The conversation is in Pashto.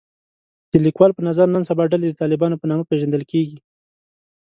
د لیکوال په نظر نن سبا ډلې د طالبانو په نامه پېژندل کېږي